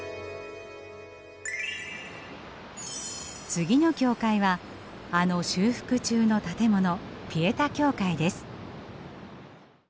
次の教会はあの修復中の建物ピエタ教会です。